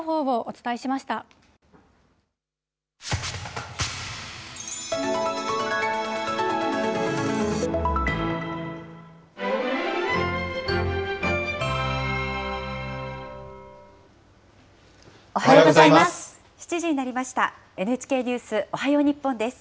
おはようございます。